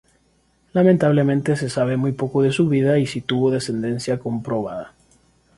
Lamentablemente se sabe muy poco de su vida y si tuvo descendencia comprobada.